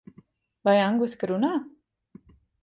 Vai angliski runā?